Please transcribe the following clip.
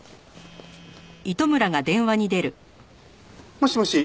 もしもし。